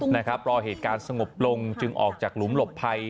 ต้องปรองเหตุการณ์สงบลงจึงออกจากหลุมหลบไพร